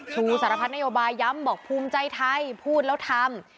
สารพัดนโยบายย้ำบอกภูมิใจไทยพูดแล้วทำ